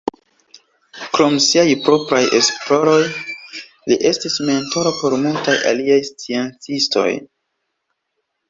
Krom siaj propraj esploroj, li estis mentoro por multaj aliaj sciencistoj.